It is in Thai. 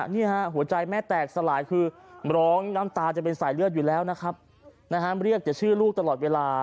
หัวใจแม่แตกสลายคือร้องน้ำตาจะเป็นสายเลือดอยู่แล้วนะครับเรียกแต่ชื่อลูกตลอดเวลา